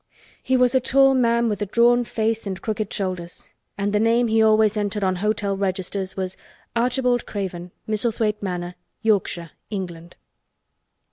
He, was a tall man with a drawn face and crooked shoulders and the name he always entered on hotel registers was, "Archibald Craven, Misselthwaite Manor, Yorkshire, England."